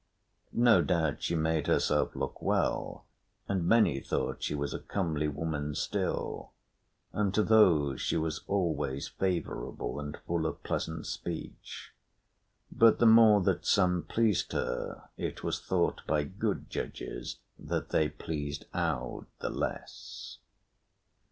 No doubt she made herself look well, and many thought she was a comely woman still, and to those she was always favourable and full of pleasant speech. But the more that some pleased her, it was thought by good judges that they pleased Aud the less.